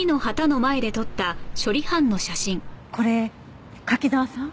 これ柿沢さん？